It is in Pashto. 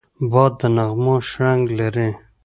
باد د نغمو شرنګ لري